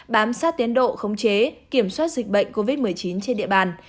bám sát tiến độ khống chế kiểm soát dịch bệnh covid một mươi chín trên địa bàn